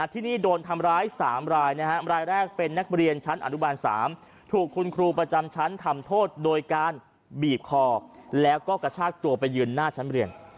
ที่นี่โดนทำร้าย๓รายรายแรกเป็นนักเรียนชั้นอนุบาล๓ถูกคุณครูประจำชั้นทำโทษโดยการบีบคอแล้วก็กระชากตัวไปยืนหน้าชั้นเรียน